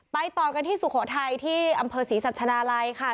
ต่อกันที่สุโขทัยที่อำเภอศรีสัชนาลัยค่ะ